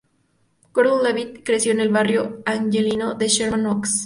Gordon-Levitt creció en el barrio angelino de Sherman Oaks.